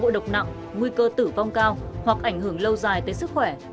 nhiều bệnh nhân tử vong nặng nguy cơ tử vong cao hoặc ảnh hưởng lâu dài tới sức khỏe